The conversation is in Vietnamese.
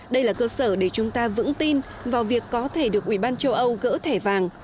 đây là cơ sở để chúng ta vững tin vào việc có thể được ủy ban châu âu gỡ thẻ vàng